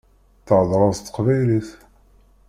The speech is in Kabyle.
Theddṛeḍ s teqbaylit.